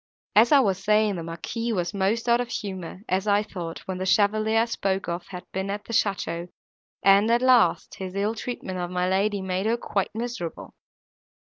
As I was saying, the Marquis was most out of humour, as I thought, when the chevalier I spoke of had been at the château, and, at last, his ill treatment of my lady made her quite miserable.